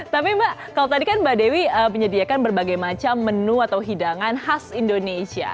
tapi mbak kalau tadi kan mbak dewi menyediakan berbagai macam menu atau hidangan khas indonesia